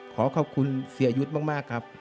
ขอขอบคุณเสียยุทธ์มากครับ